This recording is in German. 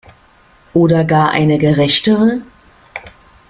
Oder gar eine gerechtere?